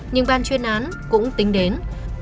nhưng ban chuyên án cũng tính đến